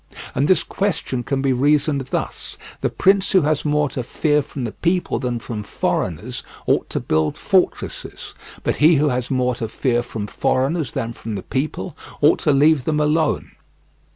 And this question can be reasoned thus: the prince who has more to fear from the people than from foreigners ought to build fortresses, but he who has more to fear from foreigners than from the people ought to leave them alone.